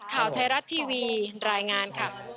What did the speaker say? ข่าวไทยรัฐทีวีรายงานค่ะ